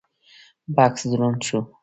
بکس دروند شو: